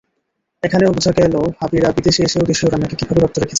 এখানেও বোঝা গেল ভাবিরা বিদেশে এসেও দেশীয় রান্নাকে কীভাবে রপ্ত রেখেছেন।